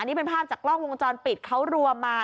นี่เป็นภาพจากกล้องวงจรปิดเขารวมมา